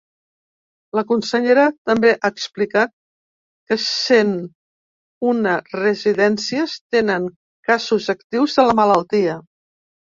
La consellera també ha explicat que cent una residències tenen casos actius de la malaltia.